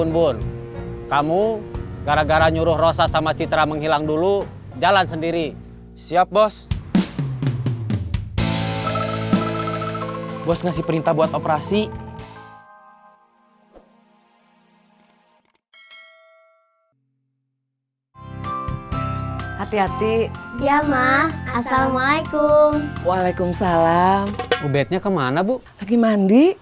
buas saya tau kita nunggu disini